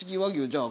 じゃあ